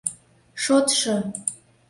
Шотшо...